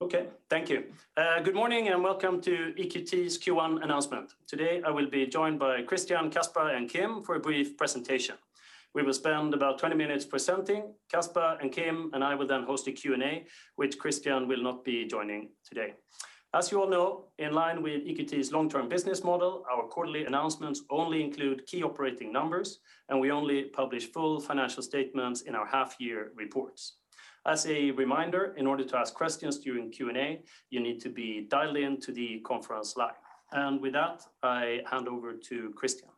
Okay, thank you. Good morning. Welcome to EQT's Q1 Announcement. Today, I will be joined by Christian, Caspar, and Kim for a brief presentation. We will spend about 20 minutes presenting. Caspar and Kim, and I will then host a Q&A. Which Christian will not be joining today. As you all know, in line with EQT's long-term business model. Our quarterly announcements only include key operating numbers, and we only publish full financial statements in our half-year reports. As a reminder, in order to ask questions during Q&A. You need to be dialed into the conference line. With that, I hand over to Christian.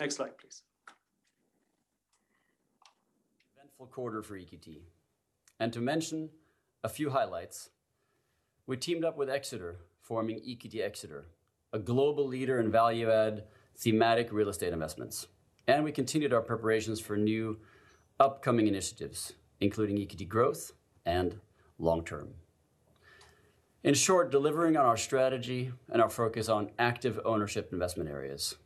Next slide, please. Eventful quarter for EQT, to mention a few highlights. We teamed up with Exeter, forming EQT Exeter. A global leader in value-add thematic real estate investments. We continued our preparations for new upcoming initiatives, including EQT Growth and long-term. In short, delivering on our strategy, and our focus on active ownership investment areas.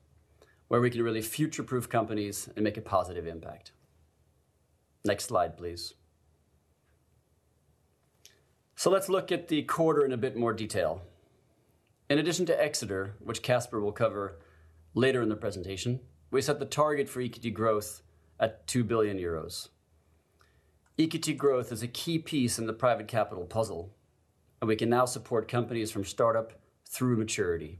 Where we can really future-proof companies, and make a positive impact. Next slide, please. Let's look at the quarter in a bit more detail. In addition to Exeter, which Caspar will cover later in the presentation. We set the target for EQT Growth at 2 billion euros. EQT Growth is a key piece in the Private Capital puzzle. We can now support companies from startup through maturity.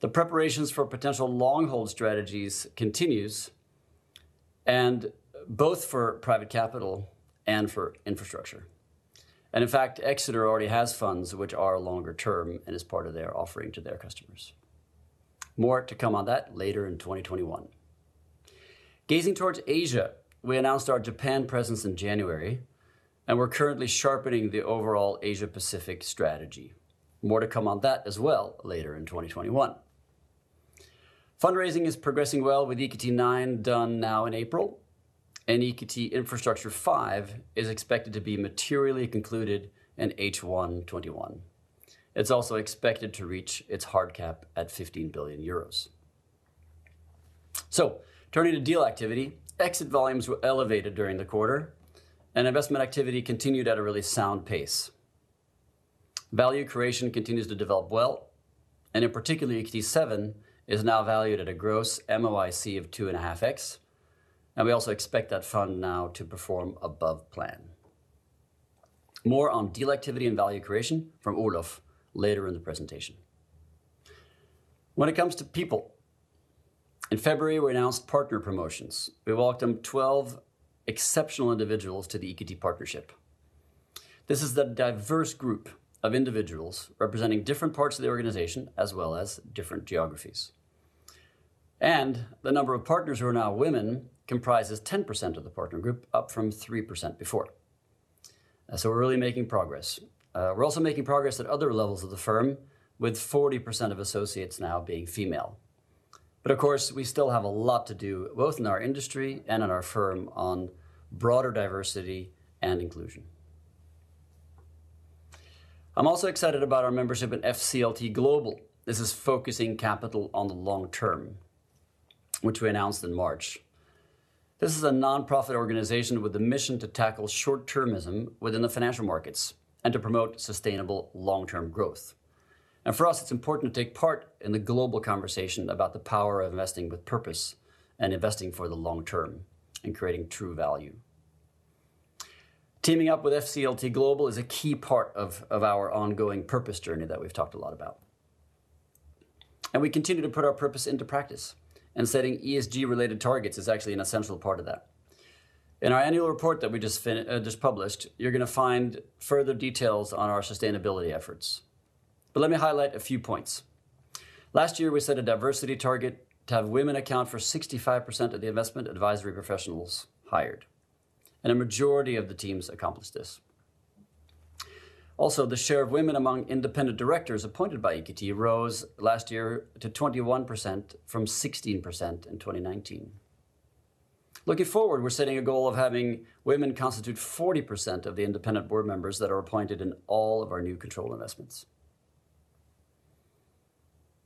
The preparations for potential long-hold strategies continues both for private capital, and for infrastructure. In fact, Exeter already has funds which are longer term, and is part of their offering to their customers. More to come on that later in 2021. Gazing towards Asia, we announced our Japan presence in January. And we're currently sharpening the overall Asia Pacific strategy. More to come on that as well later in 2021. Fundraising is progressing well, with EQT IX done now in April. And EQT Infrastructure V, is expected to be materially concluded in H1 2021. It's also expected to reach its hard cap at 15 billion euros. Turning to deal activity, exit volumes were elevated during the quarter. And investment activity continued at a really sound pace. Value creation continues to develop well, and in particular, EQT VII is now valued at a gross MOIC of 2.5x. And we also expect that fund now, to perform above plan. More on deal activity, and value creation from Olof later in the presentation. When it comes to people, in February we announced partner promotions. We welcomed 12 exceptional individuals, to the EQT partnership. This is the diverse group of individuals, representing different parts of the organization as well as different geographies. The number of partners who are now women, comprises 10% of the partner group, up from 3% before. We're really making progress. We're also making progress at other levels of the firm, with 40% of associates now being female. Of course, we still have a lot to do. Both in our industry, and in our firm on broader diversity and inclusion. I'm also excited about our membership in FCLTGlobal. This is Focusing Capital on the Long Term, which we announced in March. This is a nonprofit organization, with the mission to tackle short-termism. Within the financial markets, and to promote sustainable long-term growth. For us, it's important to take part in the global conversation. About the power of investing with purpose, and investing for the long term, and creating true value. Teaming up with FCLTGlobal, is a key part of our ongoing purpose journey. That we've talked a lot about. We continue to put our purpose into practice, and setting ESG-related targets is actually an essential part of that. In our annual report that we just published. You're going to find further details on our sustainability efforts. But let me highlight a few points. Last year, we set a diversity target. To have women account, for 65% of the investment advisory professionals hired. And a majority of the teams accomplished this. The share of women among independent directors, appointed by EQT rose last year to 21% from 16% in 2019. Looking forward, we're setting a goal of having women, constitute 40% of the independent board members. That are appointed, in all of our new control investments.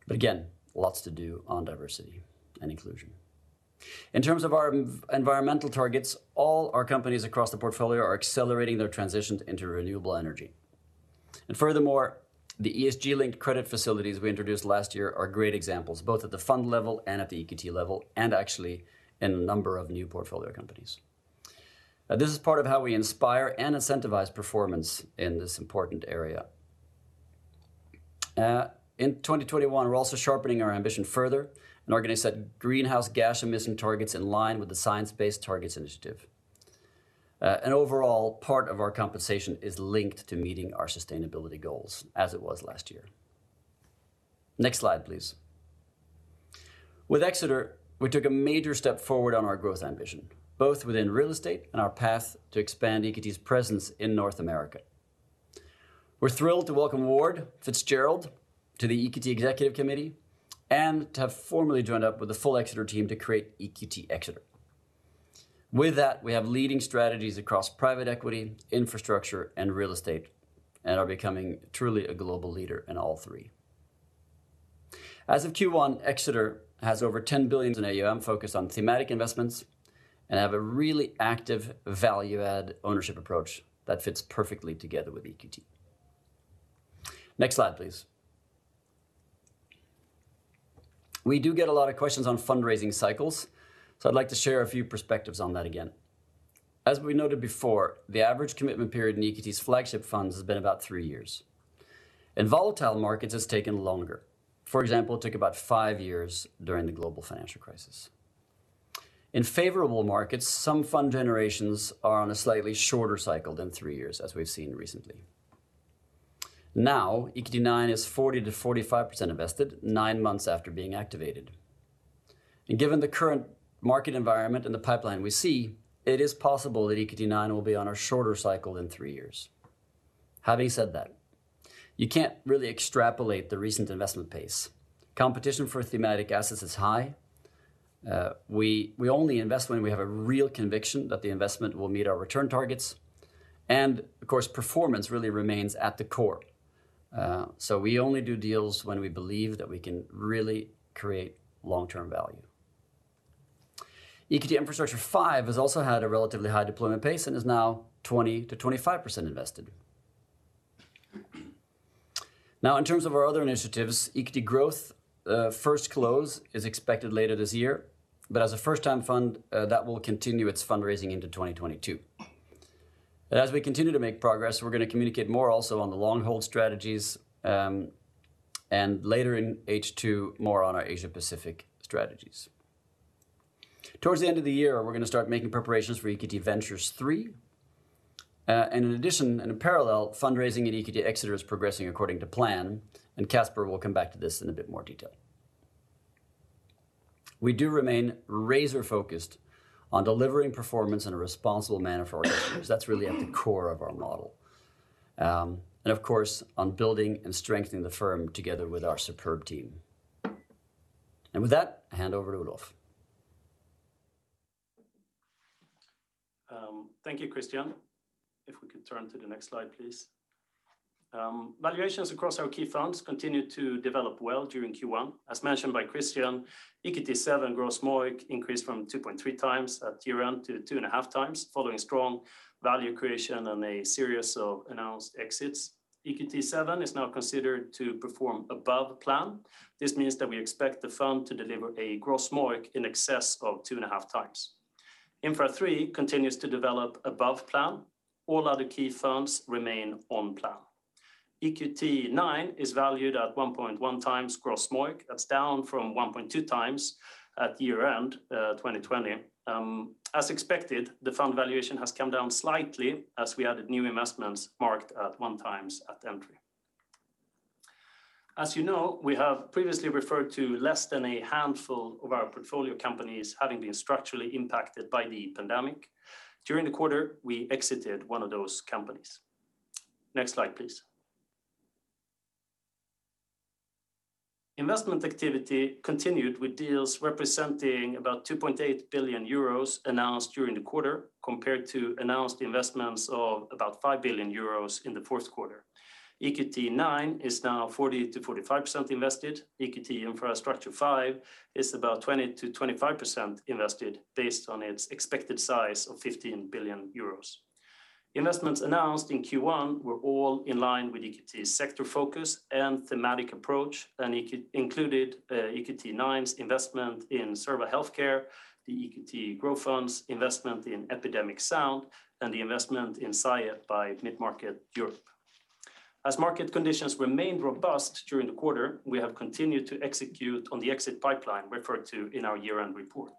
Again, lots to do on diversity and inclusion. In terms of our environmental targets, all our companies across the portfolio. Are accelerating their transition into renewable energy. Furthermore, the ESG-linked credit facilities we introduced last year are great examples. Both at the fund level, and at the EQT level. And actually, in a number of new portfolio companies. This is part of how we inspire, and incentivize performance in this important area. In 2021, we're also sharpening our ambition further. And organizing greenhouse gas emission targets, in line with the Science-Based Targets initiative. Overall, part of our compensation is linked to meeting our sustainability goals, as it was last year. Next slide, please. With Exeter, we took a major step forward on our growth ambition. Both within real estate, and our path to expand EQT's presence in North America. We're thrilled to welcome Ward Fitzgerald, to the EQT Executive Committee. And to have formally joined up, with the full Exeter team to create EQT Exeter. With that, we have leading strategies across private equity, infrastructure, and real estate. And are becoming truly a global leader in all three. As of Q1, Exeter has over 10 billion in AUM. Focused on thematic investments, and have a really active value-add ownership approach. That fits perfectly together with EQT. Next slide, please. We do get a lot of questions on fundraising cycles, I'd like to share a few perspectives on that again. As we noted before, the average commitment period in EQT's flagship funds. Has been about three years. In volatile markets, it's taken longer. For example, it took about five years during the global financial crisis. In favorable markets, some fund generations are on a slightly shorter cycle. Than three years, as we've seen recently. Now, EQT IX is 40%-45% invested, nine months after being activated. Given the current market environment, and the pipeline we see. It is possible that EQT IX, will be on a shorter cycle than three years. Having said that, you can't really extrapolate the recent investment pace. Competition for thematic assets is high. We only invest, when we have a real conviction. That the investment will meet our return targets, and of course, performance really remains at the core. We only do deals when we believe, that we can really create long-term value. EQT Infrastructure V has also had a relatively high deployment pace, and is now 20%-25% invested. In terms of our other initiatives, EQT Growth first close is expected later this year. But as a first-time fund, that will continue its fundraising into 2022. As we continue to make progress, we're going to communicate more also on the long-hold strategies. And later in H2, more on our Asia Pacific strategies. Towards the end of the year, we're going to start making preparations for EQT Ventures III. In addition and in parallel, fundraising in EQT Exeter is progressing according to plan. And Caspar will come back to this in a bit more detail. We do remain razor-focused, on delivering performance in a responsible manner for our investors. That's really at the core of our model. Of course, on building, and strengthening the firm together with our superb team. With that, I hand over to Olof. Thank you, Christian. If we could turn to the next slide, please. Valuations across our key funds, continued to develop well during Q1. As mentioned by Christian, EQT VII gross MOIC increased from 2.3x at year-end to 2.5x. Following strong value creation, and a series of announced exits. EQT VII is now considered to perform above plan. This means that we expect the fund, to deliver a gross MOIC in excess of 2.5x. Infra III continues to develop above plan. All other key funds remain on plan. EQT IX is valued at 1.1x gross MOIC. That's down from 1.2x at year-end 2020. As expected, the fund valuation has come down slightly. As we added new investments marked at 1x at entry. As you know, we have previously referred to less than a handful, of our portfolio companies. Having been structurally impacted by the pandemic. During the quarter, we exited one of those companies. Next slide, please. Investment activity continued with deals representing, about 2.8 billion euros announced during the quarter. Compared to announced investments, of about 5 billion euros in the fourth quarter. EQT IX is now 40%-45% invested. EQT Infrastructure V is about 20%-25% invested, based on its expected size of 15 billion euros. Investments announced in Q1, were all in line with EQT's sector focus. And thematic approach, and included EQT IX's investment in Cerba HealthCare. The EQT Growth funds investment in Epidemic Sound, and the investment in Saur by EQT Mid Market Europe. As market conditions remained robust during the quarter. We have continued to execute, on the exit pipeline referred to in our year-end report.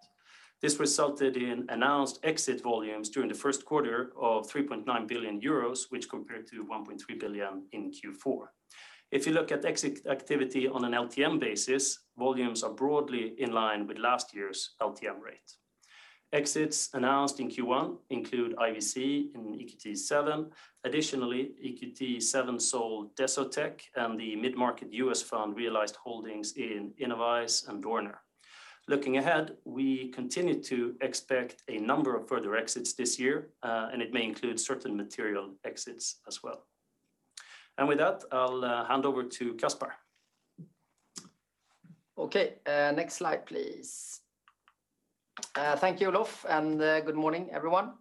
This resulted in announced exit volumes, during the first quarter of 3.9 billion euros. Which compared to 1.3 billion in Q4. If you look at exit activity on an LTM basis, volumes are broadly in line with last year's LTM rate. Exits announced in Q1 include IVC in EQT VII. Additionally, EQT VII sold DESOTEC, and the mid-market US fund realized holdings in Innovyze and Dorner. Looking ahead, we continue to expect. A number of further exits this year. It may include certain material exits as well. With that, I'll hand over to Caspar. Okay. Next slide please. Thank you, Olof, and good morning, everyone.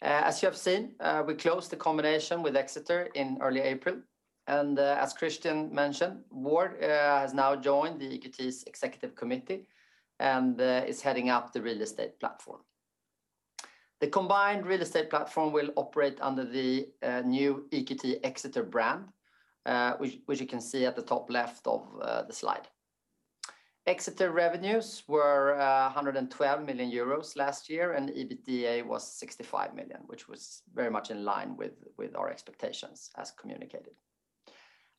As you have seen, we closed the combination with Exeter in early April. And as Christian mentioned, Ward has now joined the EQT's Executive Committee. And is heading up the real estate platform. The combined real estate platform, will operate under the new EQT Exeter brand. Which you can see at the top left of the slide. Exeter revenues were 112 million euros last year, and the EBITDA was 65 million. Which was very much in line, with our expectations as communicated.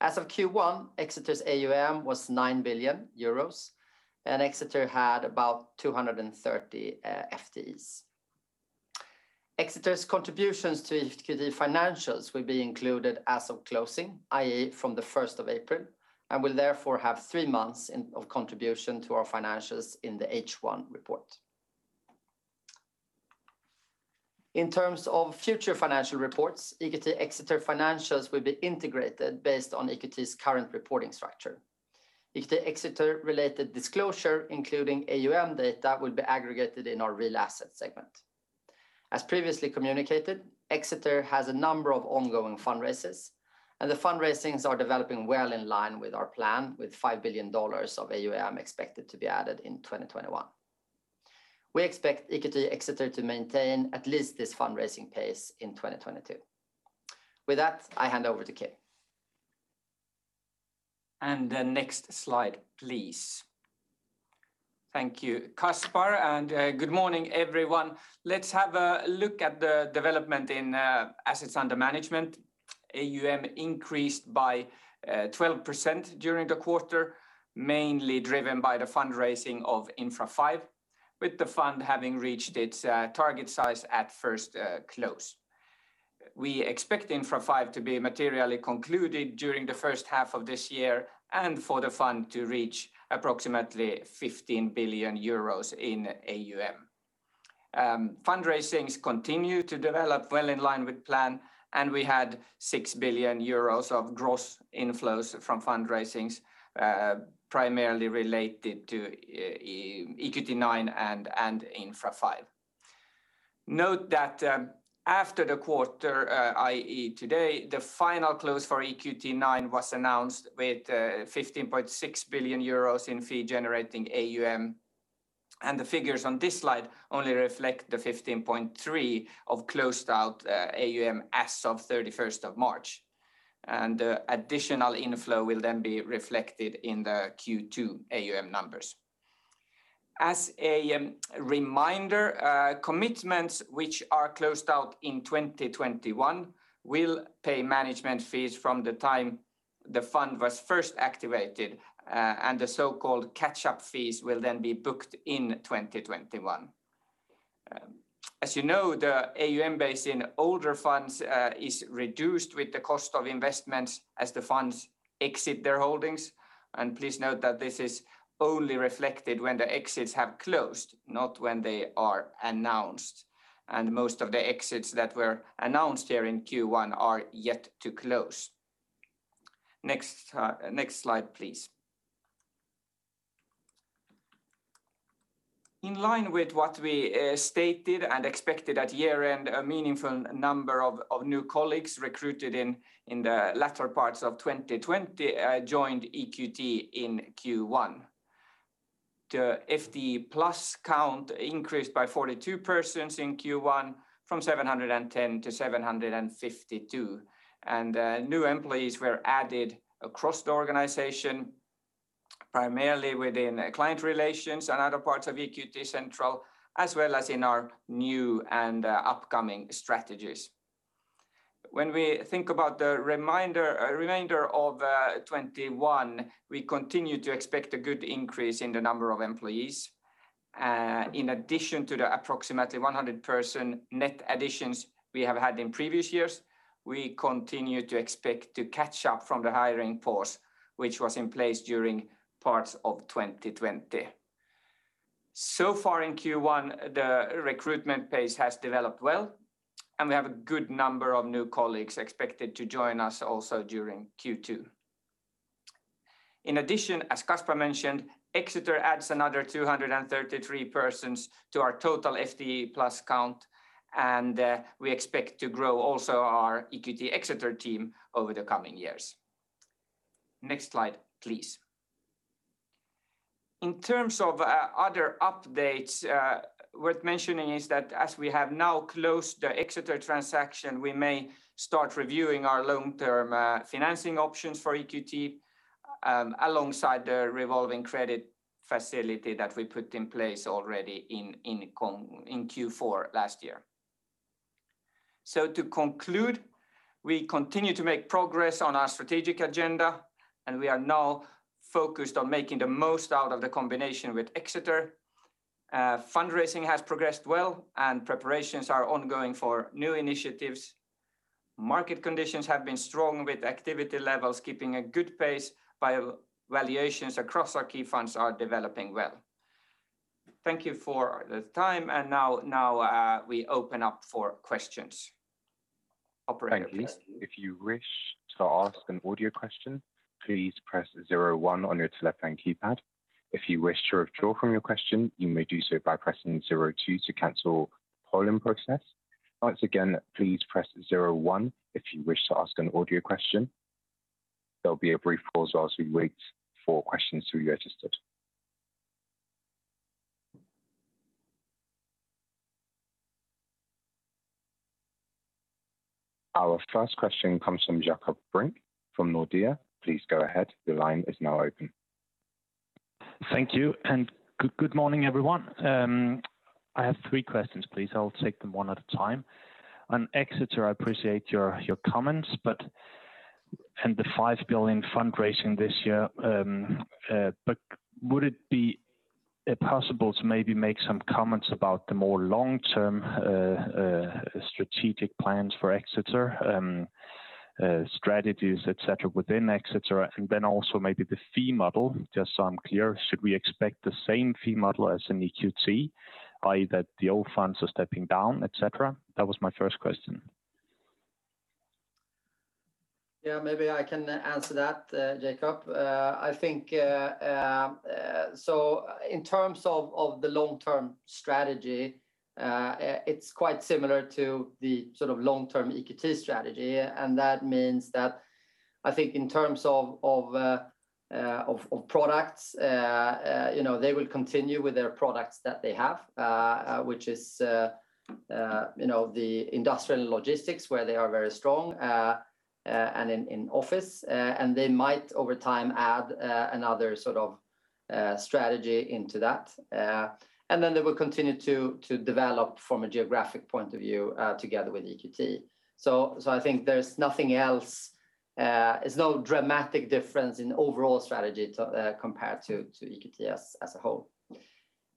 As of Q1, Exeter's AUM was 9 billion euros, and Exeter had about 230 FTEs. Exeter's contributions to EQT financials, will be included as of closing, i.e., from the 1st of April. And will therefore have three months, of contribution to our financials in the H1 report. In terms of future financial reports. EQT Exeter financials will be integrated, based on EQT's current reporting structure. EQT Exeter related disclosure, including AUM data. Will be aggregated in our Real Asset segment. As previously communicated, Exeter has a number of ongoing fundraisers. And the fundraisings are developing well, in line with our plan. With $5 billion of AUM expected to be added in 2021. We expect EQT Exeter to maintain, at least this fundraising pace in 2022. With that, I hand over to Kim. The next slide, please. Thank you, Caspar, and good morning, everyone. Let's have a look at the development in assets under management. AUM increased by 12% during the quarter. Mainly driven by the fundraising of Infra V, with the fund having reached its target size at first close. We expect Infra V to be materially concluded. During the first half of this year, and for the fund to reach approximately 15 billion euros in AUM. Fundraisings continue to develop well in line with plan. We had 6 billion euros of gross inflows from fundraisings, primarily related to EQT IX and Infra V. Note that after the quarter, i.e. today, the final close for EQT IX was announced. With 15.6 billion euros in fee-generating AUM, the figures on this slide. Only reflect the 15.3 billion, of closed out AUM as of 31st of March. Additional inflow will then be reflected in the Q2 AUM numbers. As a reminder, commitments which are closed out in 2021. Will pay management fees from the time, the fund was first activated. And the so-called catch-up fees, will then be booked in 2021. As you know, the AUM base in older funds is reduced with the cost of investments. As the funds exit their holdings. Please note that this is only reflected, when the exits have closed. Not when they are announced. Most of the exits, that were announced here in Q1 are yet to close. Next slide, please. In line with what we stated, and expected at year-end. A meaningful number of new colleagues, recruited in the latter parts of 2020 joined EQT in Q1. The FTE+ count increased by 42 persons in Q1 from 710 to 752. And new employees were added across the organization. Primarily within client relations, and other parts of EQT Central. As well as in our new, and upcoming strategies. When we think about the remainder of 2021. We continue to expect a good increase in the number of employees. In addition to the approximately 100 person net additions, we have had in previous years. We continue to expect to catch up from the hiring pause. Which was in place during parts of 2020. So far in Q1, the recruitment pace has developed well. And we have a good number of new colleagues, expected to join us also during Q2. In addition, as Caspar mentioned, Exeter adds another 233 persons. To our total FTE+ count, and we expect to grow also, our EQT Exeter team over the coming years. Next slide, please. In terms of other updates, worth mentioning is that. As we have now closed the Exeter transaction. We may start reviewing our long-term financing options for EQT. Alongside the revolving credit facility, that we put in place already in Q4 last year. To conclude, we continue to make progress on our strategic agenda. And we are now focused, on making the most out of the combination with Exeter. Fundraising has progressed well, and preparations are ongoing for new initiatives. Market conditions have been strong with activity levels keeping a good pace. But valuations across our key funds are developing well. Thank you for the time, and now we open up for questions. Operator. Thank you. If you wish to ask an audio question. Please press zero one on your select time keypad. If you wish to withdraw on your questions. You may do so by pressing zero two, to cancel further process. Once again, please press zero one, if you wish to ask an audio question. There'll be a brief pause for asking, while you wait for questions to be registered. Our first question comes from Jakob Brink from Nordea. Please go ahead. Thank you, good morning, everyone. I have three questions. Please, I will take them one at a time. On Exeter, I appreciate your comments. But, and the $5 billion fundraising this year. Would it be possible to maybe make some comments, about the more long-term strategic plans for Exeter? Strategies, et cetera, within et cetera, and then also maybe the fee model. Just so I am clear, should we expect the same fee model as in EQT? By that the old funds are stepping down, et cetera? That was my first question. Yeah, maybe I can answer that, Jakob. In terms of the long-term strategy, it's quite similar to the long-term EQT strategy. That means that, I think in terms of products. They will continue with their products that they have. Which is the industrial logistics, where they are very strong, and in office. They might, over time, add another sort of strategy into that. They will continue to develop, from a geographic point of view together with EQT. I think there's nothing else. There's no dramatic difference in overall strategy, compared to EQT as a whole.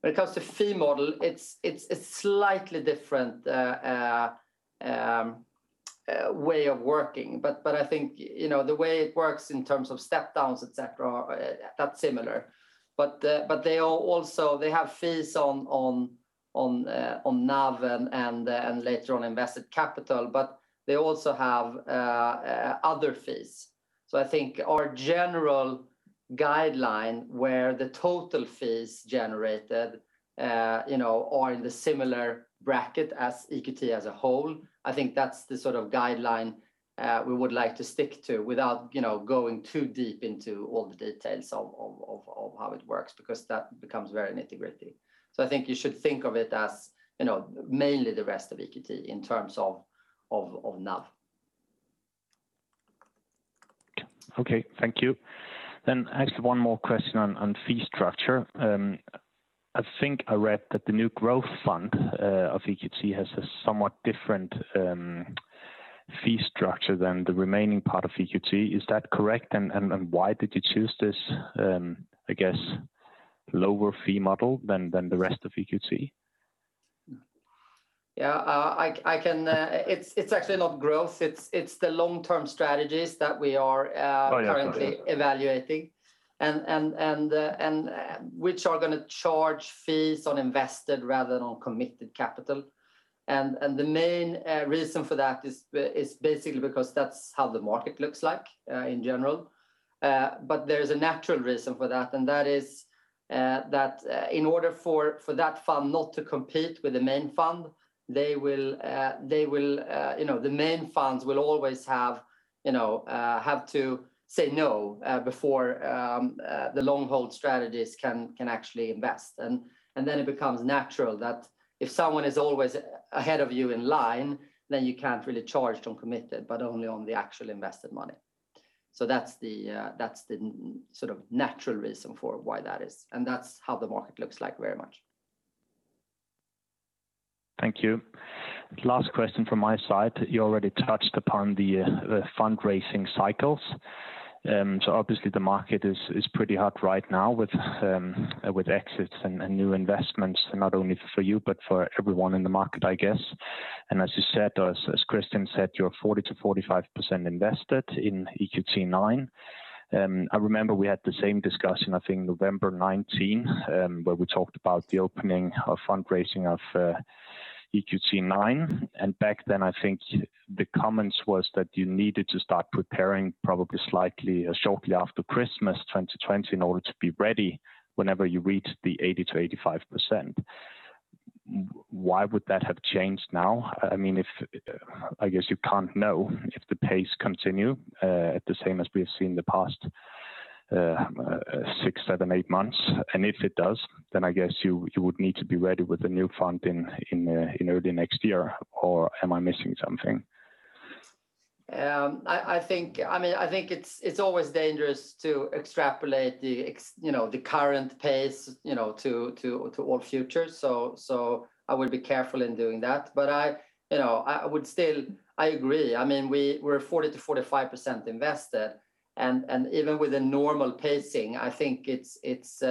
When it comes to fee model, it's slightly different way of working. But I think, the way it works in terms of step downs, et cetera, that's similar. They have fees on NAV, and later on invested capital. They also have other fees. I think our general guideline, where the total fees generated. Are in the similar bracket as EQT as a whole, I think that's the sort of guideline. We would like to stick to, without going too deep into all the details, of how it works. Because that becomes very nitty-gritty. I think you should think of it as, mainly the rest of EQT in terms of NAV. Okay, thank you. Actually, one more question on fee structure. I think I read that the new growth fund of EQT. Has a somewhat different fee structure, than the remaining part of EQT. Is that correct? Why did you choose this, I guess, lower fee model than the rest of EQT? It's actually not growth, it's the long-term strategies that we are. Oh, yeah. Currently evaluating, and which are going to charge fees on invested, rather than on committed capital. The main reason for that is basically, because that's how the market looks like in general? There is a natural reason for that, and that is that. In order for that fund not to compete, with the main fund. The main funds will always, have to say no. Before the long hold strategies can actually invest. It becomes natural, that if someone is always ahead of you in line. Then you can't really charge on committed, but only on the actual invested money. That's the sort of natural reason for why that is? And that's how the market looks like very much. Thank you. Last question from my side. You already touched upon the fundraising cycles. Obviously, the market is pretty hot right now with exits, and new investments. Not only for you, but for everyone in the market, I guess. As you said, or as Christian said, you're 40%-45% invested in EQT IX. I remember we had the same discussion, I think November 2019. Where we talked about the opening of fundraising of EQT IX, and back then. I think, the comments was that you needed to start preparing. Probably slightly shortly after Christmas 2020. In order to be ready, whenever you reach the 80%-85%. Why would that have changed now? I guess you can't know, if the pace continue. At the same as we have seen the past six, seven, eight months. And if it does, then I guess you would need to be ready with a new fund in early next year? Or am I missing something? I think it's always dangerous, to extrapolate the current pace to all future. I would be careful in doing that. I agree. We're 40%-45% invested, and even with a normal pacing. I think it's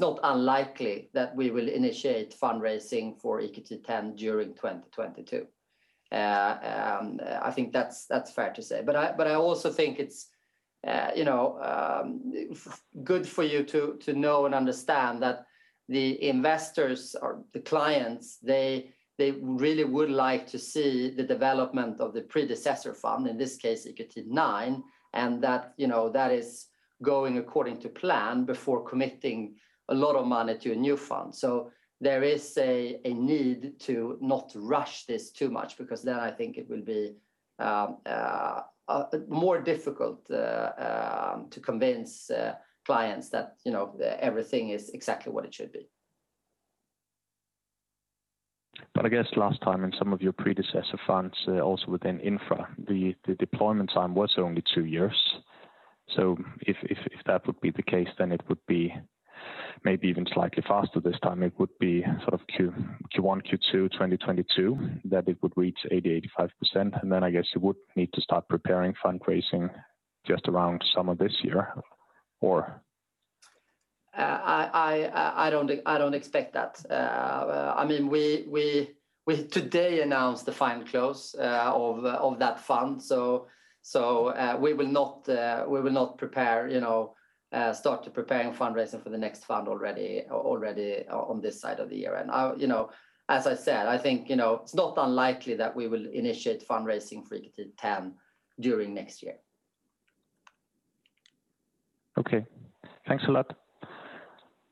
not unlikely, that we will initiate fundraising for EQT X during 2022. I think, that's fair to say. I also think it's good for you to know, and understand. That the investors or the clients, they really would like to see. The development of the predecessor fund, in this case EQT IX. And that is going according to plan, before committing a lot of money to a new fund. There is a need to not rush this too much, because then I think it will be. More difficult to convince clients, that everything is exactly what it should be. I guess last time, in some of your predecessor funds also within Infra. The deployment time was only two years. If that would be the case, then it would be maybe even slightly faster this time. It would be sort of Q1, Q2 2022 that it would reach 80%, 85%. I guess you would need, to start preparing fundraising just around summer this year. I don't expect that. We today announced the final close of that fund. We will not start preparing fundraising, for the next fund already on this side of the year. As I said, I think it's not unlikely. That we will initiate fundraising for EQT X during next year. Okay. Thanks a lot.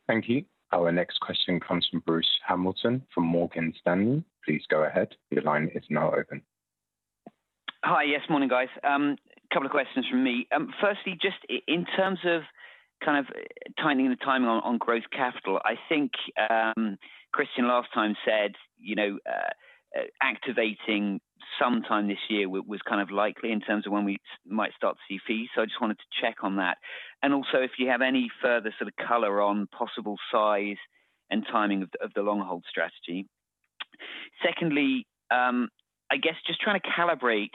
Thank you. Our next question comes from Bruce Hamilton from Morgan Stanley. Please go ahead. Hi. Yes, morning, guys. Couple of questions from me. Firstly, just in terms of kind of tightening the timing on growth capital. I think Christian last time said, activating some time this year was kind of likely. In terms of when we might start to see fees, I just wanted to check on that. Also, if you have any further sort of color on possible size, and timing of the long-hold strategy. Secondly, I guess just trying to calibrate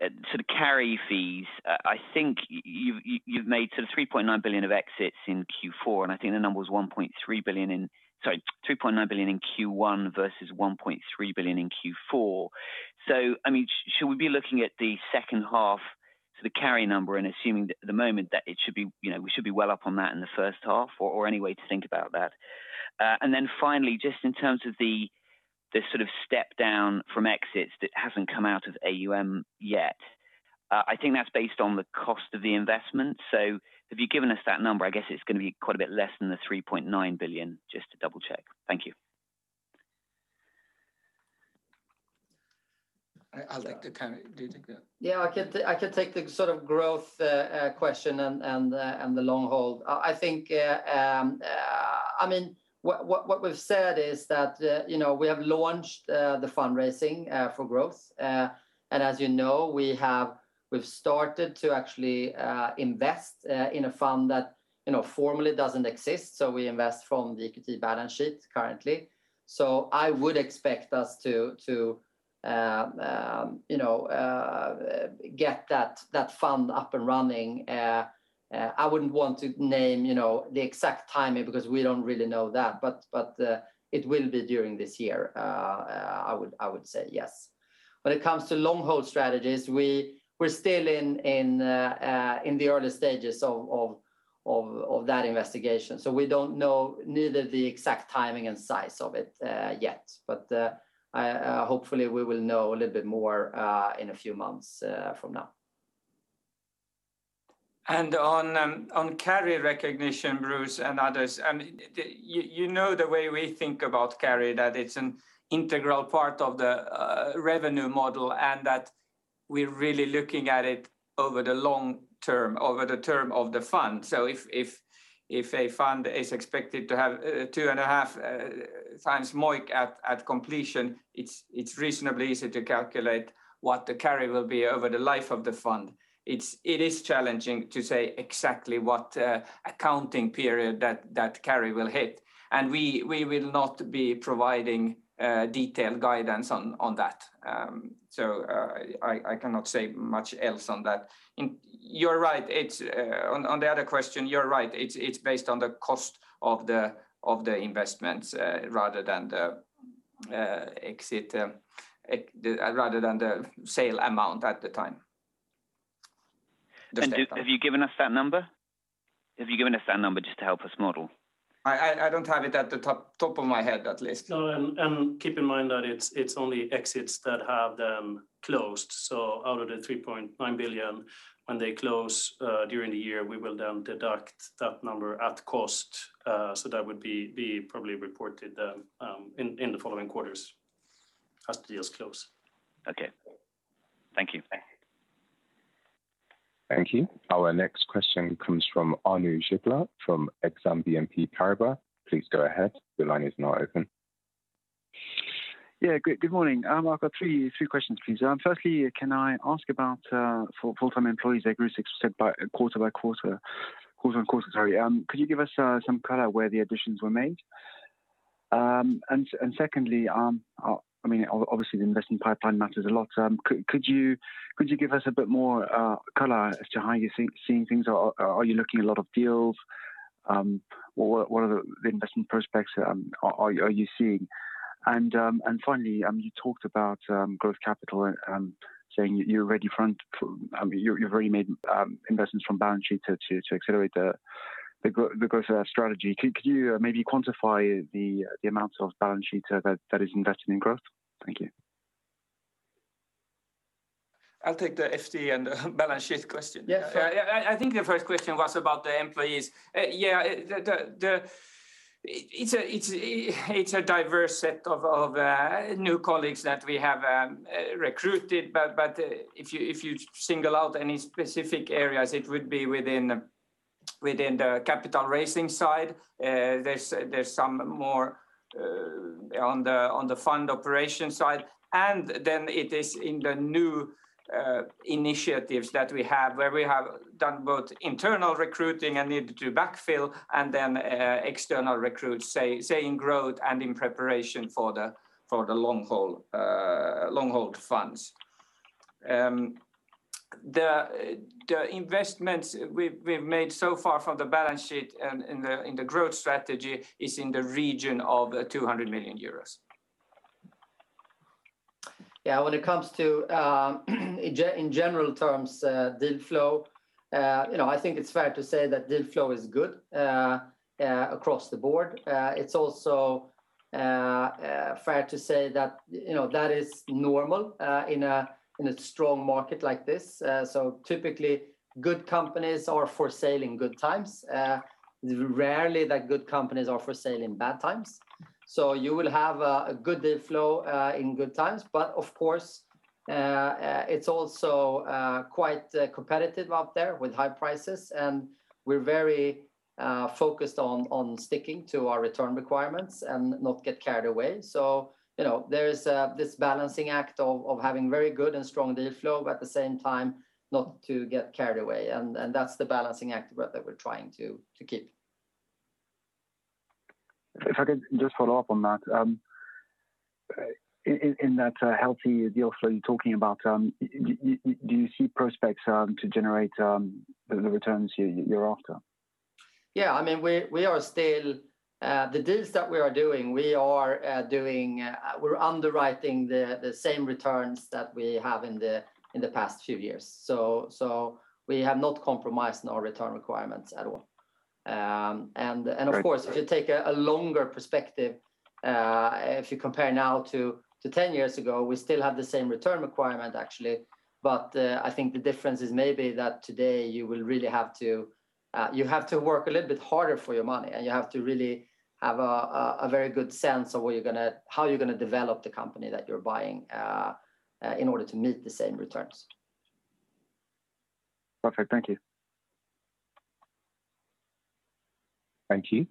sort of carry fees. I think, you've made sort of 3.9 billion of exits in Q4. And I think, the number was 2.9 billion in Q1 versus 1.3 billion in Q4. Should we be looking at the second half, to the carry number, and assuming that at the moment. That we should be well up on that in the first half? Or any way to think about that? Finally, just in terms of the sort of step down, from exits that hasn't come out of AUM yet. I think, that's based on the cost of the investment. Have you given us that number? I guess it's going to be quite a bit less than the 3.9 billion, just to double check. Thank you. Do you take that? Yeah, I can take the sort of growth question, and the long hold. What we've said, is that we have launched the fundraising for EQT Growth. As you know, we've started to actually invest in a fund, that formally doesn't exist. So we invest from the EQT balance sheet currently. I would expect us to get that fund up, and running. I wouldn't want to name the exact timing. Because we don't really know that. It will be during this year, I would say yes. When it comes to long hold strategies, we're still in the early stages of that investigation. We don't know neither the exact timing, and size of it yet. Hopefully, we will know a little bit more in a few months from now. On carry recognition, Bruce and others. You know the way we think about carry. That it's an integral part of the revenue model, and that we're really looking at it over the long term. Over the term of the fund. If a fund is expected to have 2.5x MOIC at completion. It's reasonably easy to calculate, what the carry will be over the life of the fund? It is challenging to say exactly, what accounting period that carry will hit? And we will not be providing detailed guidance on that. I cannot say much else on that. On the other question, you're right, it's based on the cost of the investments, rather than the exit. Rather than the sale amount at the time. Have you given us that number? Have you given us that number just to help us model? I don't have it at the top of my head, at least. No. Keep in mind that it's only exits that have them closed. Out of the 3.9 billion, when they close during the year? We will then deduct that number at cost. That would be probably, reported in the following quarters as the deals close. Okay. Thank you. Thank you. Our next question comes from Arnaud Giblat from Exane BNP Paribas. Yeah. Good morning. I have got three questions, please. Firstly, can I ask about full-time employees, that grew 6% quarter by quarter on quarter, sorry? Could you give us some color, where the additions were made? Secondly, obviously the investment pipeline matters a lot. Could you give us a bit more color, as to how you are seeing things? Are you looking at a lot of deals? What are the investment prospects are you seeing? Finally, you talked about growth capital. Saying you have already made investments, from balance sheet to accelerate the growth strategy. Could you maybe quantify the amount of balance sheet, that is invested in growth? Thank you. I'll take the FTE, and the balance sheet question. Yeah. I think, the first question was about the employees. It's a diverse set of new colleagues, that we have recruited. But if you single out any specific areas, it would be within the capital raising side. There's some more on the fund operation side. And then it is in the new initiatives that we have. Where we have done both internal recruiting, and needed to backfill. And then external recruits, say in growth, and in preparation for the long hold funds. The investments we've made so far from the balance sheet. And in the growth strategy, is in the region of 200 million euros. When it comes to in general terms, deal flow I think it's fair to say. That deal flow is good across the board. It's also fair to say, that is normal in a strong market like this. Typically, good companies are for sale in good times. It's rarely, that good companies are for sale in bad times. You will have a good deal flow in good times, but of course. It's also quite competitive out there with high prices. And we're very focused on sticking to our return requirements, and not get carried away. There is this balancing act of having very good, and strong deal flow. But at the same time not to get carried away, and that's the balancing act, that we're trying to keep. If I could just follow up on that. In that healthy deal flow you're talking about, do you see prospects to generate the returns you're after? Yeah. The deals that we are doing, we're underwriting the same returns. That we have in the past few years. We have not compromised our return requirements at all. Of course. Thank you. If you take a longer perspective, if you compare now to 10 years ago. We still have the same return requirement actually. I think the difference is maybe, that today you have to work. A little bit harder for your money, and you have to really have a very good sense. Of how you're going to develop the company? That you're buying in order to meet the same returns. Perfect. Thank you. Thank you.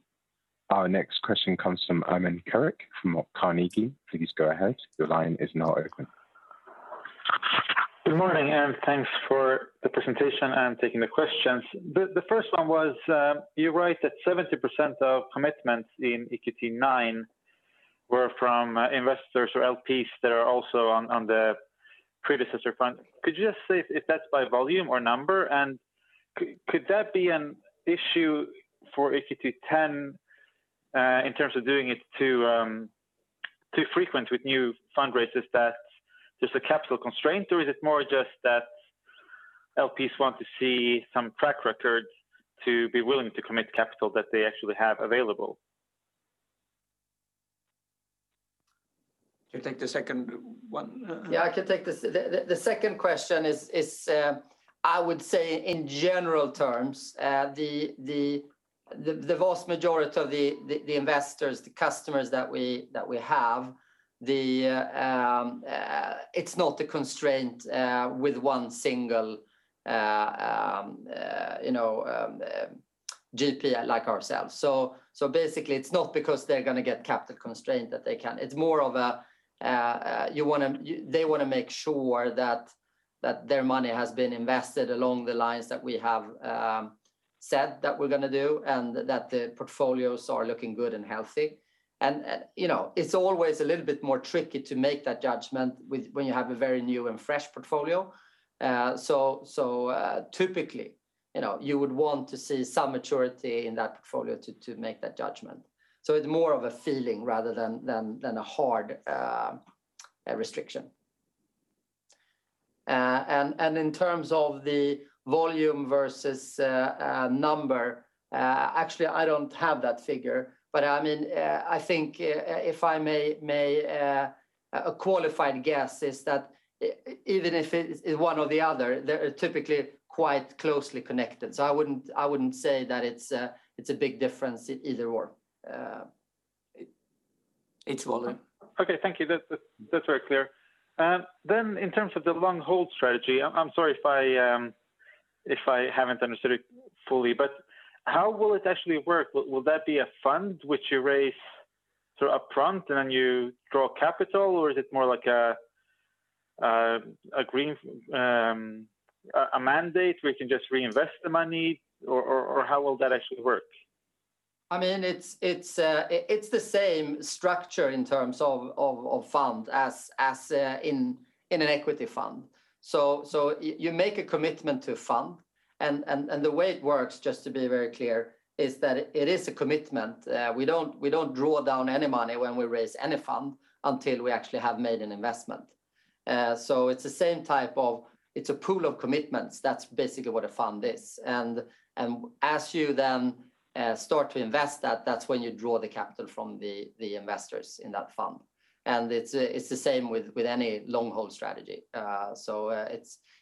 Our next question comes from [Arun Kelshiker] from Carnegie. Please go ahead. Your line is now open. Good morning. Thanks for the presentation, and taking the questions. The first one was you write that 70% of commitments in EQT IX. Were from investors or LPs, that are also on the predecessor fund. Could you just say, if that's by volume or number? And could that be an issue for EQT X? In terms of doing it too frequent, with new fundraisers. That there's a capital constraint or is it more just, that LPs want to see some track record. To be willing to commit capital, that they actually have available? Do you take the second one? Yeah, I can take the second question is, I would say in general terms. The vast majority of the investors, the customers that we have. It's not a constraint, with one single GP like ourselves. Basically, it's not because they're going to get capital constraint that they can't. It's more of they want to make sure that, their money has been invested along the lines. That we have said that we're going to do, and that the portfolios are looking good and healthy. It's always a little bit more tricky, to make that judgment. When you have a very new, and fresh portfolio? Typically, you would want to see some maturity, in that portfolio to make that judgment. It's more of a feeling, rather than a hard restriction. In terms of the volume versus number. Actually, I don't have that figure, but I think if I may. A qualified guess is that, even if it is one or the other. They're typically quite closely connected. I wouldn't say that, it's a big difference either or. It's volume. Okay. Thank you. That is very clear. In terms of the long hold strategy, I am sorry if I have not understood it fully. But how will it actually work? Will that be a fund which you raise sort of upfront? And then you draw capital, or is it more like a mandate? Where you can just reinvest the money? Or how will that actually work? It's the same structure, in terms of fund as in an equity fund. You make a commitment to fund, and the way it works. Just to be very clear, is that it is a commitment. We don't draw down any money, when we raise any fund? Until we actually, have made an investment. It's a pool of commitments. That's basically what a fund is, and as you then start to invest. That's when you draw the capital, from the investors in that fund. And it's the same with any long hold strategy.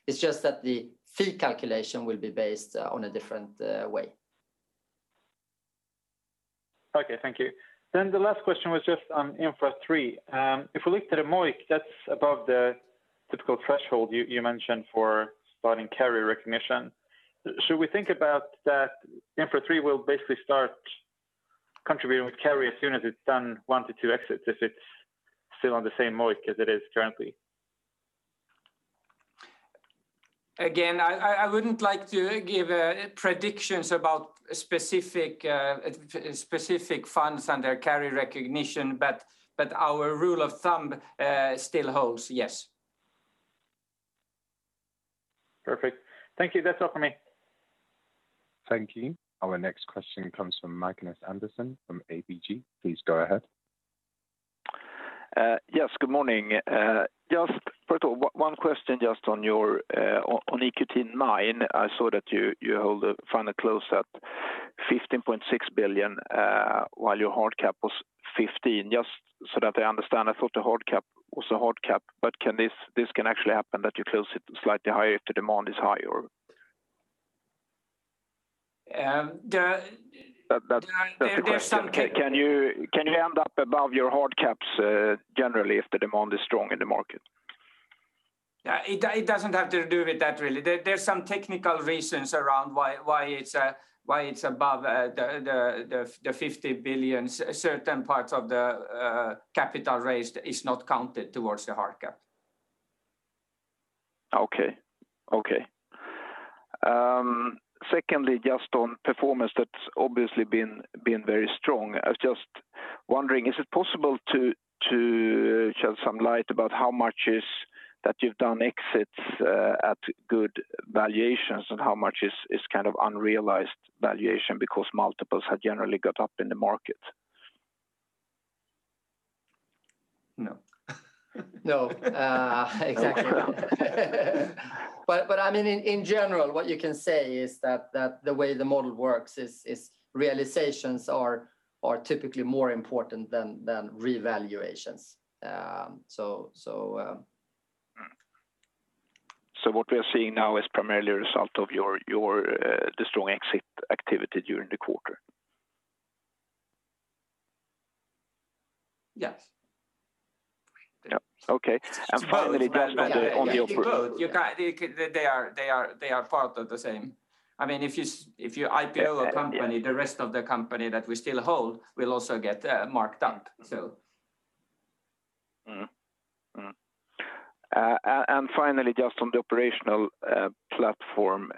It's just that the fee calculation, will be based on a different way. Okay. Thank you. The last question was just on Infra III. If we look at the MOIC, that's above the typical threshold. You mentioned for spotting carry recognition. Should we think about that Infra III, will basically start contributing. With carry as soon as it's done one to two exits. If it's still on the same MOIC as it is currently? Again, I wouldn't like to give predictions about specific funds, and their carry recognition. But our rule of thumb still holds, yes. Perfect. Thank you. That's all from me. Thank you. Our next question comes from Magnus Andersson from ABG. Please go ahead. Yes, good morning. First of all, one question just on EQT IX. I saw that you hold the final close at 15.6 billion, while your hard cap was 15. Just so that I understand, I thought the hard cap was a hard cap. But this can actually happen, that you close it slightly higher if the demand is high. There are some. That's the question. Can you end up above your hard caps generally, if the demand is strong in the market? It doesn't have to do with that really. There's some technical reasons around, why it's above the 50 billion? Certain parts of the capital raised, is not counted towards the hard cap. Okay. Secondly, just on performance that's obviously been very strong. I was just wondering, is it possible to shed some light about. How much is that you've done exits at good valuations? And how much is unrealized valuation, because multiples have generally got up in the market? No. No. Exactly. In general, what you can say is that the way the model works is realizations. Are typically more important than revaluations. What we are seeing now is primarily, a result of the strong exit activity during the quarter? Yes. Yep, okay. Finally, just on the. They are part of the same. If you IPO a company, the rest of the company that we still hold. Will also get marked up. Mm-hmm. Finally, just on the operational platform.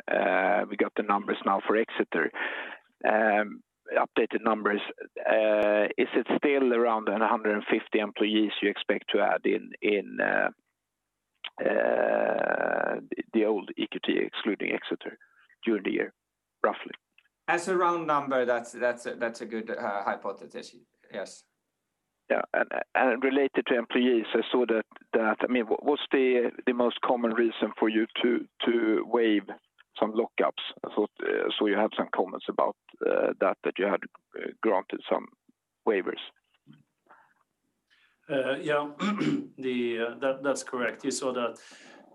We got the numbers now for Exeter. Updated numbers. Is it still around 150 employees you expect to add in the old EQT, excluding Exeter, during the year, roughly? As a round number, that's a good hypothesis. Yes. Yeah. Related to employees, what's the most common reason for you to waive some lockups? I saw you have some comments about, that you had granted some waivers. Yeah. That's correct. You saw that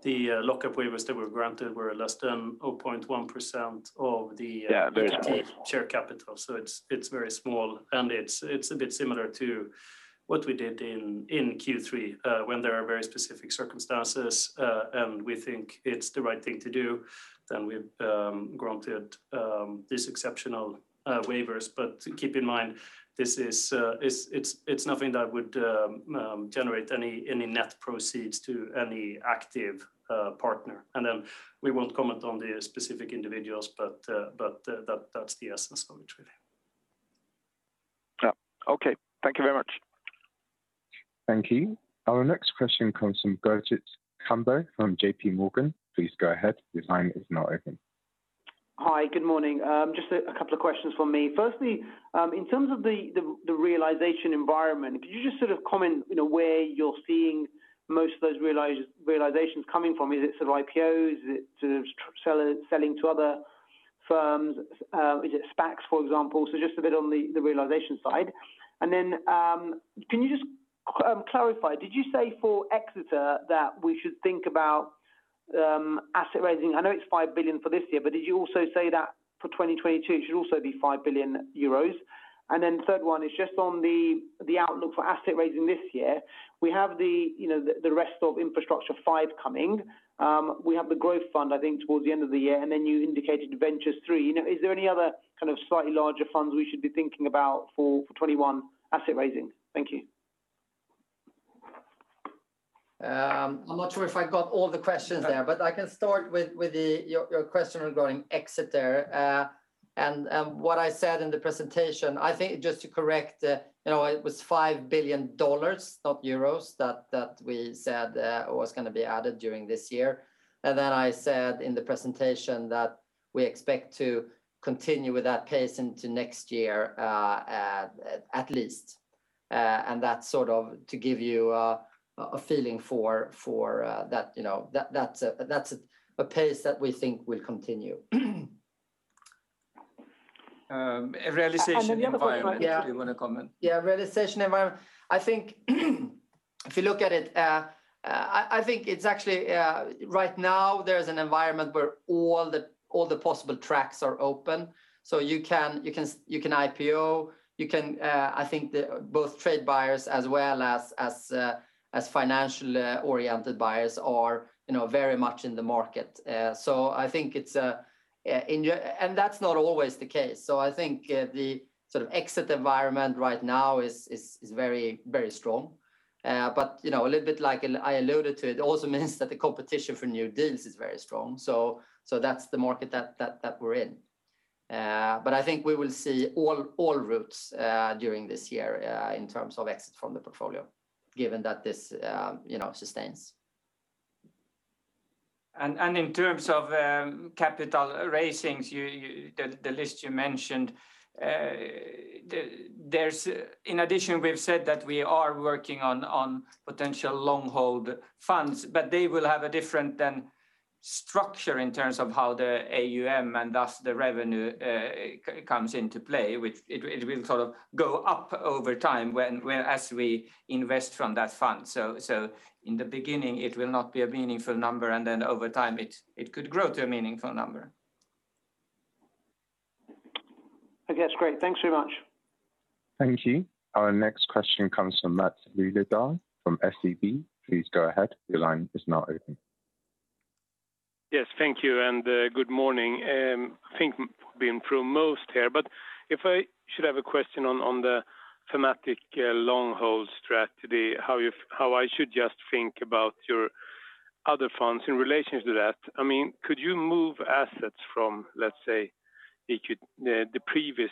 the lockup waivers, that were granted were less than 0.1% of the. Yeah. Very small. Share capital, it's very small. And it's a bit similar to, what we did in Q3? When there are very specific circumstances, and we think it's the right thing to do. Then we granted these exceptional waivers. Keep in mind, it's nothing that would generate any net proceeds to any active partner. We won't comment on the specific individuals, but that's the essence of it, really. Yeah. Okay. Thank you very much. Thank you. Our next question comes from Bhavit Tambe from JPMorgan. Please go ahead. Your line is now open. Hi, good morning. Just a couple of questions from me. Firstly, in terms of the realization environment. Could you just comment, where you're seeing most of those realizations coming from? Is it IPOs? Is it selling to other firms? Is it SPACs, for example? Just a bit on the realization side. Can you just clarify, did you say for Exeter? That we should think about asset raising? I know it's 5 billion for this year, but did you also say that for 2022 it should also be 5 billion euros? Third one is just on the outlook for asset raising this year. We have the rest of Infrastructure V coming. We have the EQT Growth fund. I think, towards the end of the year, and then you indicated Ventures III. Is there any other slightly larger funds, we should be thinking about for 2021 asset raising? Thank you. I'm not sure if I got all the questions there, but I can start with your question regarding Exeter. What I said in the presentation, I think just to correct. It was $5 billion, not Euros, that we said was going to be added during this year. Then I said in the presentation, that we expect to continue, with that pace into next year at least. That's to give you a feeling for that. That's a pace, that we think will continue. Realization environment. And then the other thing. Do you want to comment? Yeah. Realization environment, I think if you look at it. I think right now there's an environment, where all the possible tracks are open? You can IPO. I think both trade buyers, as well as financial-oriented buyers, are very much in the market. That's not always the case. I think, the exit environment right now is very strong. A little bit like I alluded to. It also means that, the competition for new deals is very strong. That's the market that we're in. I think, we will see all routes during this year. In terms of exit from the portfolio, given that this sustains. In terms of capital raising, the list you mentioned. In addition, we've said that we are working on potential long-hold funds. But they will have a different structure, in terms of how the AUM? And thus the revenue comes into play. It will sort of go up over time, as we invest from that fund. In the beginning, it will not be a meaningful number. And then over time, it could grow to a meaningful number. Okay, that's great. Thanks very much. Thank you. Our next question comes from Mats [Rydebaeck] from SEB. Please go ahead. Your line is now open. Yes, thank you and good morning. I thin, we've been through most here. If I should have a question on the thematic long-haul strategy. How I should just think, about your other funds in relation to that? Could you move assets from? Let's say, the previous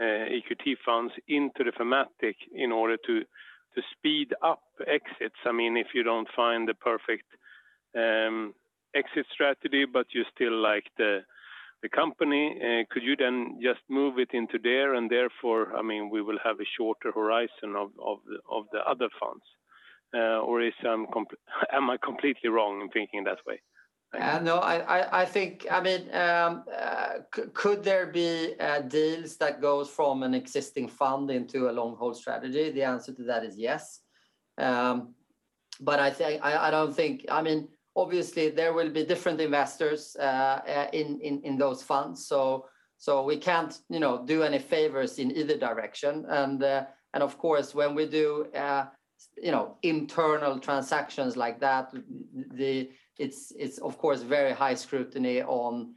EQT funds, into the thematic in order to speed up exits. If you don't find the perfect exit strategy, you still like the company. Could you then just move it into there? And therefore, we will have a shorter horizon of the other funds? Am I completely wrong in thinking that way? No. Could there be deals, that go from an existing fund into a long-haul strategy. The answer to that is yes. Obviously, there will be different investors in those funds. We can't do any favors in either direction. Of course, when we do internal transactions like that. It's of course, very high scrutiny on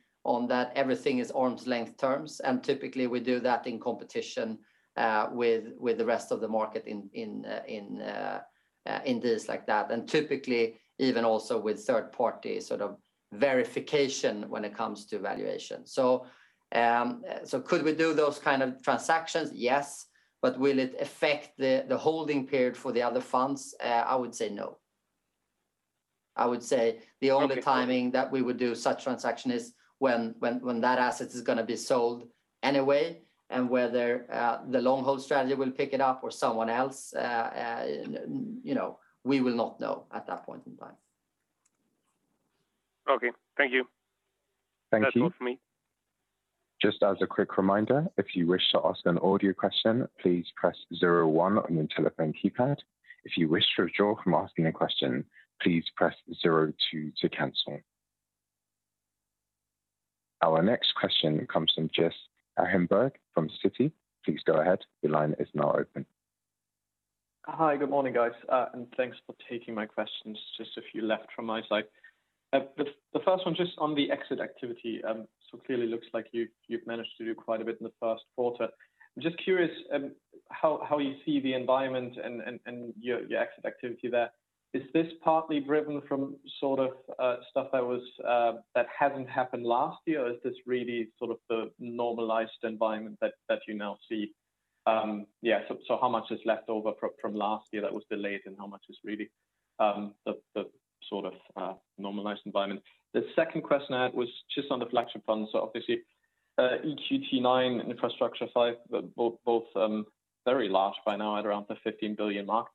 that everything is arm's-length terms. And typically, we do that in competition. With the rest of the market in deals like that. Typically, even also with third-party verification. When it comes to valuation. Could we do those kind of transactions? Yes. Will it affect the holding period for the other funds? I would say no. I would say the only timing, that we would do such transaction is. When that asset is going to be sold anyway. And whether the long-haul strategy, will pick it up or someone else. We will not know at that point in time. Okay. Thank you. Thank you. That's all from me. Just a quick reminder, if you wish to ask an audio question. Please press zero one on your telephone keypad. If you wish to draw from asking a question, please press zero two to cancel. Our next question comes from Jens Ehrenberg from Citi. Please go ahead. Your line is now open. Hi, good morning, guys. Thanks for taking my questions. Just a few left from my side. The first one, just on the exit activity. Clearly looks like you've managed to do quite, a bit in the first quarter. I'm just curious, how you see the environment, and your exit activity there? Is this partly driven from sort of stuff, that hasn't happened last year. Or is this really sort of the normalized environment that you now see? How much is left over from last year that was delayed? And how much is really the sort of normalized environment? The second question I had, was just on the flagship fund. Obviously, EQT IX, EQT Infrastructure V, both very large by now at around the 15 billion mark.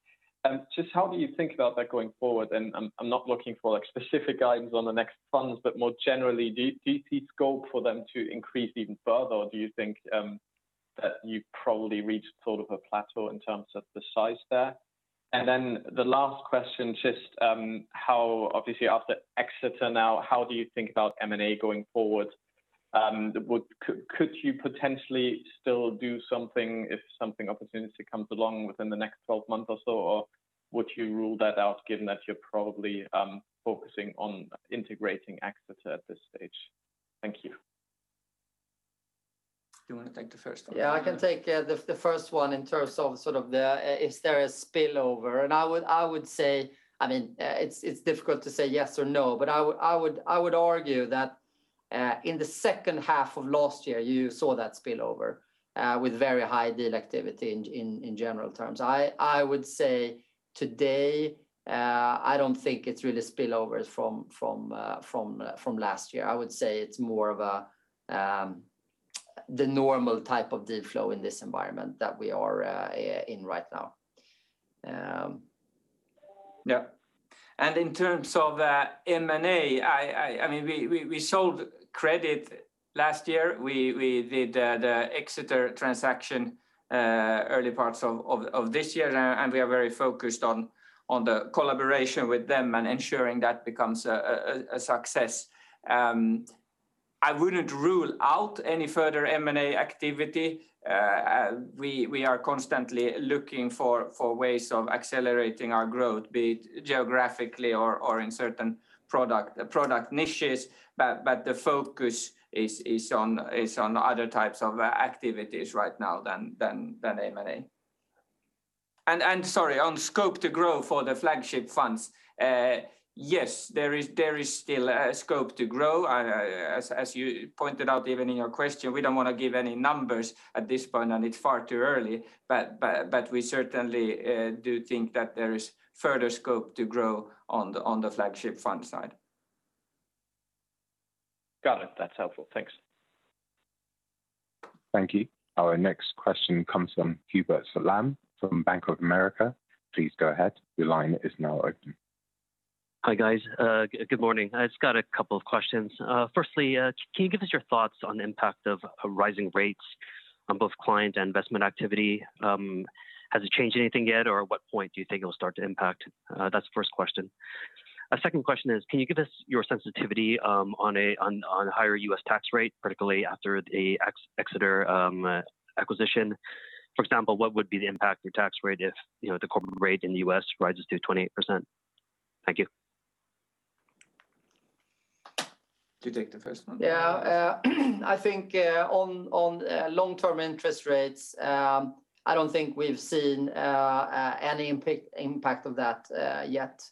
Just how do you think about that going forward? I'm not looking for specific guidance on the next funds. But more generally, do you see scope for them to increase even further? Or do you think, that you probably reached sort of a plateau in terms of the size there? The last question, just how obviously after Exeter now? How do you think about M&A going forward? Could you potentially still do something, if an opportunity comes along within the next 12 months or so? Or would you rule that out given, that you're probably focusing on integrating Exeter at this stage? Thank you. Do you want to take the first one? Yeah, I can take the first one in terms of sort of is there a spillover? I would say, it's difficult to say yes or no. But I would argue that, in the second half of last year. You saw that spillover, with very high deal activity in general terms. I would say today, I don't think it's really spillovers from last year. I would say it's more of the normal type, of deal flow in this environment. That we are in right now. Yeah. In terms of M&A, we sold credit last year. We did the Exeter transaction early parts of this year. And we are very focused on, the collaboration with them, and ensuring that becomes a success. I wouldn't rule out any further M&A activity. We are constantly, looking for ways of accelerating our growth. Be it geographically or in certain product niches. The focus is on other types of activities right now than M&A. Sorry, on scope to grow for the flagship funds. Yes, there is still a scope to grow, as you pointed out even in your question. We don't want to give any numbers at this point, and it's far too early. But we certainly do think, that there is further scope to grow, on the flagship fund side. Got it. That's helpful. Thanks. Thank you. Our next question comes from Hubert Salam from Bank of America. Hi, guys. Good morning. I just got a couple of questions. Firstly, can you give us your thoughts, on the impact of rising rates? On both client, and investment activity. Has it changed anything yet? Or at what point do you think it will start to impact? That's the first question. A second question is, can you give us your sensitivity on higher U.S. tax rate, particularly after the Exeter acquisition? For example, what would be the impact of your tax rate, if the corporate rate in the U.S. rises to 28%? Thank you. Do you take the first one? I think on long-term interest rates, I don't think we've seen any impact of that yet.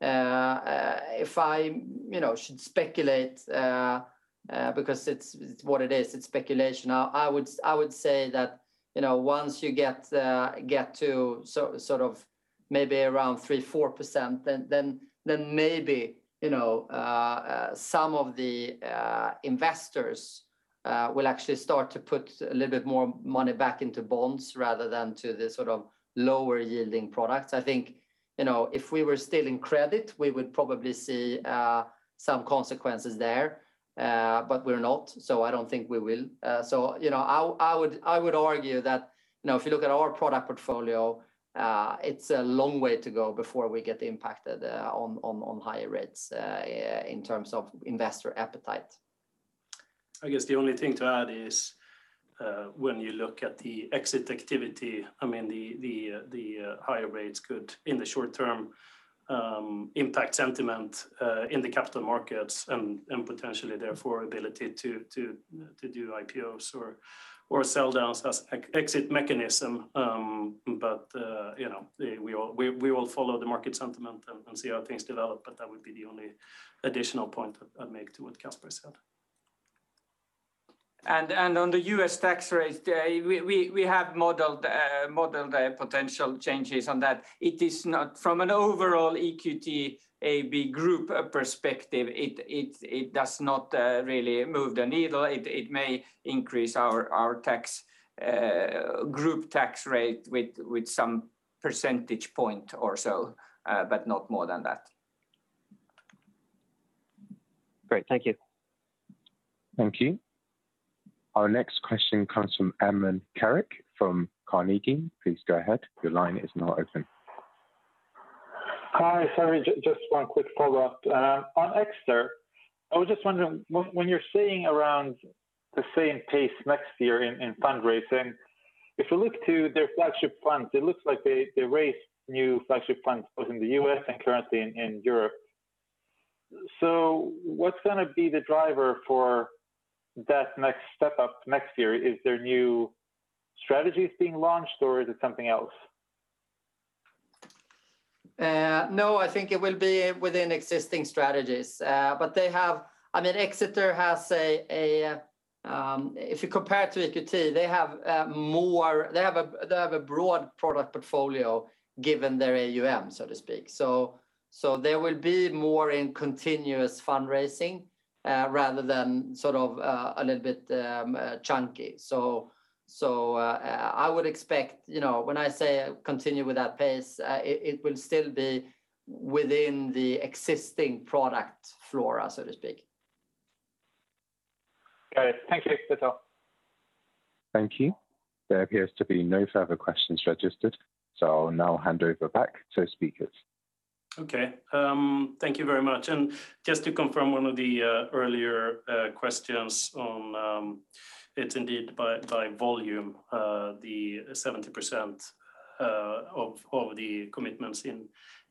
If I should speculate, because it's what it is, it's speculation. I would say, that once you get to maybe around 3%-4%. Then maybe some of the investors, will actually start to put. A little bit more money back into bonds, rather than to the lower-yielding products. I think if we were still in credit, we would probably see some consequences there. We're not, so I don't think we will. I would argue that, if you look at our product portfolio. It's a long way to go, before we get impacted. On higher rates in terms of investor appetite. I guess the only thing to add is, when you look at the exit activity? The higher rates could, in the short term. Impact sentiment in the capital markets, and potentially. Therefore, ability to do IPOs or sell downs as exit mechanism. We will follow the market sentiment, and see how things develop. That would be the only additional point, I'd make to what Caspar said. On the U.S. tax rates, we have modeled the potential changes on that. From an overall EQT AB Group perspective, it does not really move the needle. It may increase our group tax rate, with some percentage point or so. But not more than that. Great. Thank you. Thank you. Our next question comes from [Arun Kelshiker] from Carnegie. Please go ahead. Hi. Sorry, just one quick follow-up. On Exeter, I was just wondering, when you're saying around the same pace next year in fundraising? If you look to their flagship funds? It looks like they raised new flagship funds both in the U.S., and currently in Europe. What's going to be the driver for, that next step up next year? Is there new strategies being launched, or is it something else? No, I think it will be within existing strategies. Exeter has If you compare it to EQT, they have a broad product portfolio given their AUM. There will be more in continuous fundraising, rather than a little bit chunky. I would expect, when I say continue with that pace. It will still be within the existing product flow. Okay. Thank you. That's all. Thank you. There appears to be no further questions registered. I'll now hand over back to speakers. Okay. Thank you very much. Just to confirm one of the earlier questions on. It's indeed by volume the 70% of the commitments in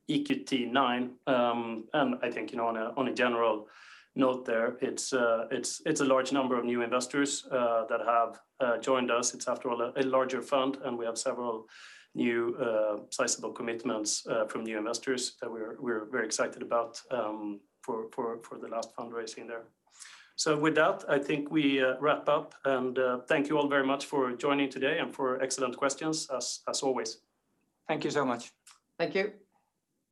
EQT IX. I think, on a general note there. It's a large number of new investors, that have joined us. It's after all a larger fund, and we have several new sizable commitments. From new investors, that we're very excited about, for the last fundraising there. With that, I think we wrap up. And thank you all very much for joining today, and for excellent questions as always. Thank you so much. Thank you.